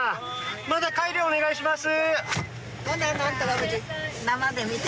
また帰りお願いします。